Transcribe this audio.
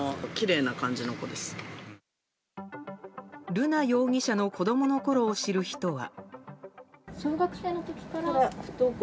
瑠奈容疑者の子供のころを知る人は。